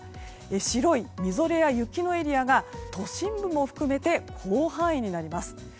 白いみぞれや雪のエリアが都心部も含めて広範囲になります。